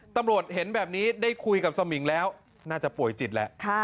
ตำรวจเห็นแบบนี้ได้คุยกับสมิงแล้วน่าจะป่วยจิตแล้ว